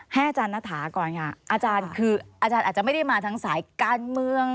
อาจารย์ณฐาก่อนค่ะอาจารย์คืออาจารย์อาจจะไม่ได้มาทั้งสายการเมือง